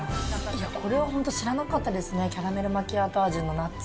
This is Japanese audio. いや、これは本当、知らなかったですね、キャラメルマキアート味のナッツ。